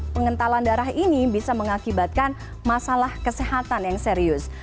pengentalan darah ini bisa mengakibatkan masalah kesehatan yang serius